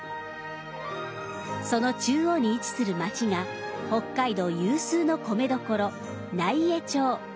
その中央に位置する町が北海道有数の米どころ奈井江町。